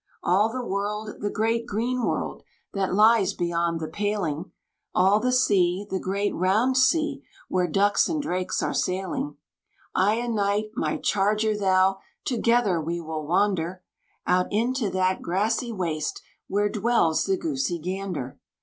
All the world, the great green world that lies beyond the paling! All the sea, the great round sea where ducks and drakes are sailing! I a knight, my charger thou, together we will wander Out into that grassy waste where dwells the Goosey Gander.